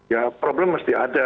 ya problem mesti ada